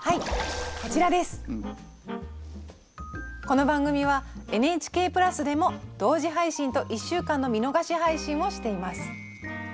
この番組はＮＨＫプラスでも同時配信と１週間の見逃し配信をしています。